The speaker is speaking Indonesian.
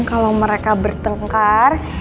kalau mereka bertengkar